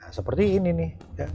nah seperti ini nih